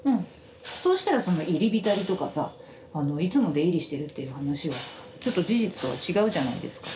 そうしたらその入り浸りとかさあのいつも出入りしてるっていう話はちょっと事実とは違うじゃないですか。